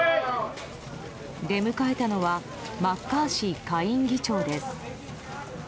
出迎えたのはマッカーシー下院議長です。